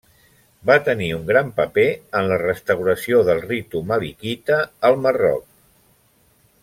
Va tenir un gran paper en la restauració del ritu malikita al Marroc.